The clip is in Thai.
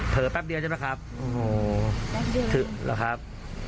เผลอแป๊บเดียวใช่ไหมครับอ๋อแป๊บเดียวหรอครับ